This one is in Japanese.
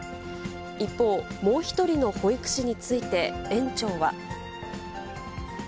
一方、もう１人の保育士について園長は。